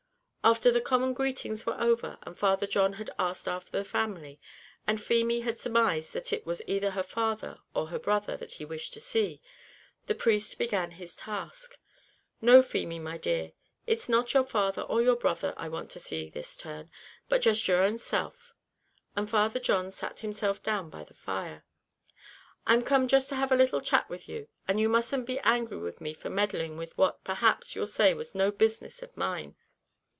After the common greetings were over, and Father John had asked after the family, and Feemy had surmised that it was either her father or her brother that he wished to see, the priest began his task. "No, Feemy, my dear, it's not your father or your brother I want to see this turn, but just your own self." And Father John sat himself down by the fire. "I'm come just to have a little chat with you, and you musn't be angry with me for meddling with what, perhaps, you'll say was no business of mine."